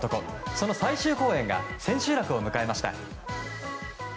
その最終公演が千秋楽を迎えました。